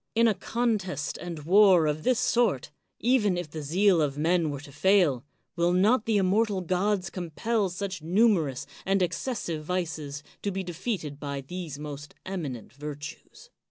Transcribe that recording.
In a contest and war of this sort, even if the zeal of men were to fail, will not the inmaortal gods compel such numerous and excessive vices to be defeated by these most eminent virtues